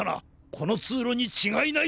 このつうろにちがいない！